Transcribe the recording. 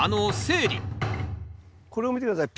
これを見て下さい。